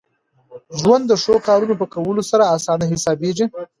ژوند د ښو کارونو په کولو سره اسانه حسابېږي.